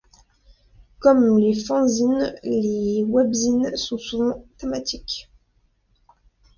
Comme les fanzines, les webzines sont souvent thématiques.